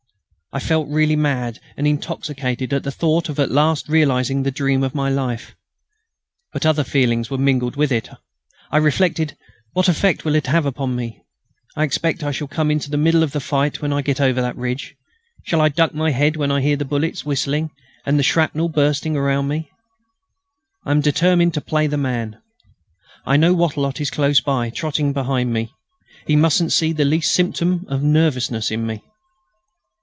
I felt really mad and intoxicated at the thought of at last realising the dream of my life. But other feelings were mingled with it. I reflected: "What effect will it have upon me? I expect I shall come into the middle of the fight when I get over that ridge. Shall I duck my head when I hear the bullets whistling and the shrapnel bursting around me? I am determined to play the man. I know Wattrelot is close by, trotting behind me. He mustn't see the least symptom of nervousness in me."